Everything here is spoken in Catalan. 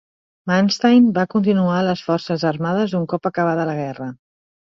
Manstein va continuar a les forces armades un cop acabada la guerra.